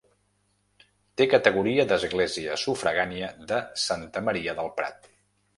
Té categoria d'església sufragània de Santa Maria del Prat.